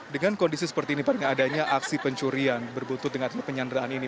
dengan kondisi seperti ini padahal adanya aksi pencurian berbentuk dengan penyanderaan ini